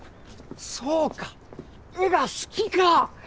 そうか絵が好きか！